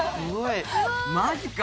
マジか！